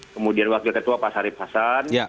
kemudian wakil ketua pak sarif hasan